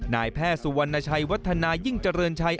นายแพทย์สุวรรณชัยวัฒนายิ่งเจริญชัย